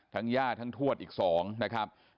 ทั้งย่าทั้งถวดอีก๒นะครับ